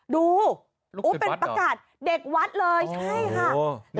ดูเป็นประกาศเด็กวัดเลยใช่ค่ะ